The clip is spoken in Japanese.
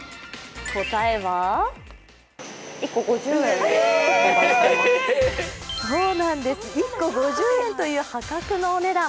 答えはそうなんです、１個５０円という破格のお値段。